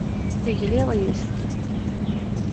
Tegliḍ yes-s.